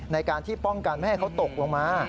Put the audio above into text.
ในการที่ป้องกันไม่ให้เขาตกลงมา